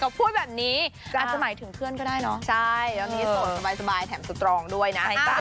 ก็พูดแบบนี้อาจจะหมายถึงเพื่อนก็ได้เนอะใช่แล้วมีโสดสบายแถมสตรองด้วยนะ